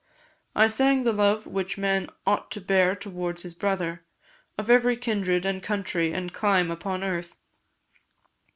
I sang the love which man ought to bear towards his brother, of every kindred, and country, and clime upon earth.